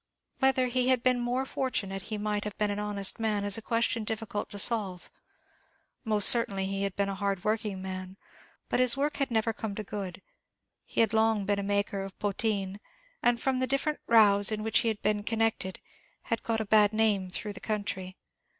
Whether, had he been more fortunate, he might have been an honest man is a question difficult to solve; most certainly he had been a hard working man, but his work had never come to good; he had long been a maker of potheen, and from the different rows in which he had been connected, had got a bad name through the country.